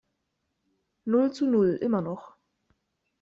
Null zu null, immer noch.